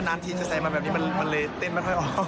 นาทีจะใส่มาแบบนี้มันเลยเต้นไม่ค่อยออก